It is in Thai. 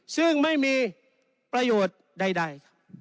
ซึ่งไม่มีประโยชน์ใด